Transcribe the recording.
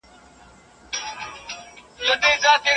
سترګې له ډیرو کتلو ستومانه کیږي.